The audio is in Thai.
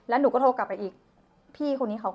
แล้วหนูก็โทรกลับไปอีก